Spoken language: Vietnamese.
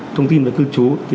thông tin về cư trú